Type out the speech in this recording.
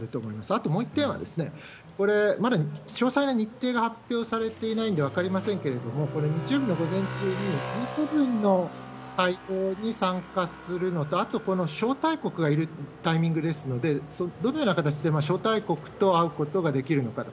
あともう一点は、これ、まだ詳細な日程が発表されていないので分かりませんけれども、これ、日曜日の午前中にＧ７の会合に参加するのと、あと、この招待国がいるタイミングですので、どのような形で招待国と会うことができるのかと。